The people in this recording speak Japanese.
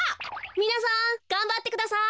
みなさんがんばってください。